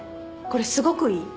これすごくいい。